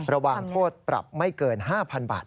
ระหว่างโทษปรับไม่เกิน๕๐๐๐บาท